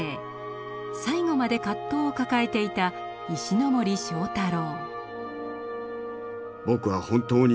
最後まで葛藤を抱えていた石森章太郎。